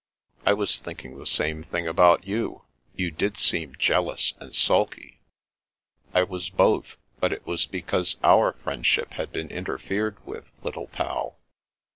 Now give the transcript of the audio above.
" I was thinking the same thing about you. You did seem jealous and sulky." "I was both; but it was because our friendship had been interfered with, Little Pal."